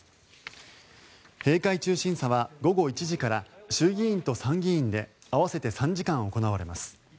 閉会中審査は午後１時から衆議院と参議院で合わせて３時間行われます。